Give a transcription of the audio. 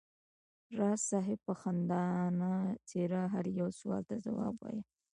راز صاحب په خندانه څېره هر یو سوال ته ځواب وایه.